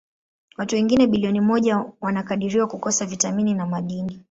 Watu wengine bilioni moja wanakadiriwa kukosa vitamini na madini.